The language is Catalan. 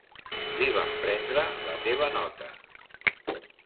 Li van prendre la teva nota.